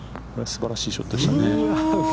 すばらしいショットでしたね。